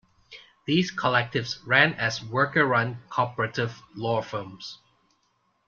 These collectives ran as worker-run, cooperative law firms.